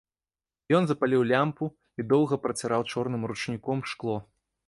Ён запаліў лямпу і доўга праціраў чорным ручніком шкло.